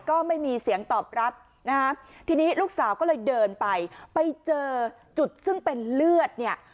ก็ไม่มีเสียงตอบรับนะฮะทีนี้ลูกสาวก็เลยเดินไปไปเจอจุดซึ่งเป็นเลือดเนี่ย